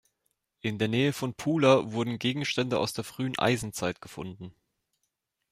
In der Nähe von Pula wurden Gegenstände aus der frühen Eisenzeit gefunden.